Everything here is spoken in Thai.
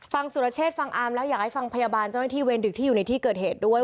สุรเชษฟังอามแล้วอยากให้ฟังพยาบาลเจ้าหน้าที่เวรดึกที่อยู่ในที่เกิดเหตุด้วย